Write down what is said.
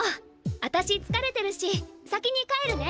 私疲れてるし先に帰るね。